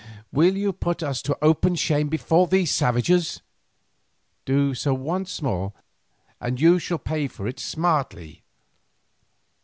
"Will you put us to open shame before these savages? Do so once more, and you shall pay for it smartly.